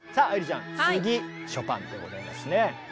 ちゃん次ショパンでございますね。